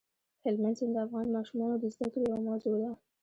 هلمند سیند د افغان ماشومانو د زده کړې یوه موضوع ده.